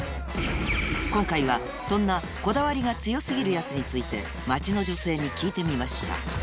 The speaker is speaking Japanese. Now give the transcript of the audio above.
今回はそんなこだわりが強過ぎるヤツについて街の女性に聞いてみました